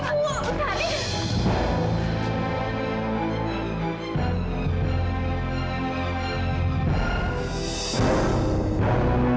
saya harus beautiful dengan perjelasan amira dulu dong